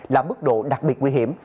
là mức độ đặc biệt nguy hiểm